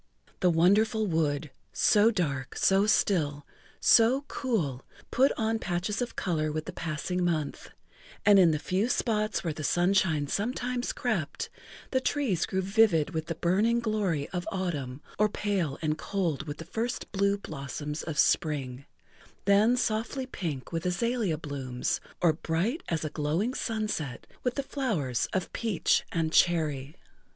The wonderful wood, so dark, so still, so cool, put on patches of color with the passing month, and in the few spots where the sunshine sometimes crept, the trees grew vivid with the burning glory of autumn or pale and cold with the first blue blossoms of spring, then softly pink with azalea blooms or bright as a glowing sunset with the flowers of peach and cherry.